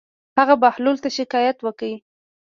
هغه بهلول ته شکايت وکړ.